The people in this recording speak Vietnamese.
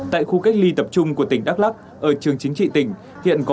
tại khu cách ly tập trung của tỉnh đắk lắk ở trường chính trị tỉnh